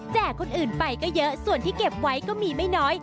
คนอื่นไปก็เยอะส่วนที่เก็บไว้ก็มีไม่น้อย